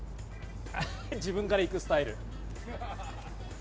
自分から行くスタイル。